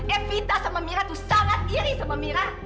evita sama mira itu sangat iris sama mira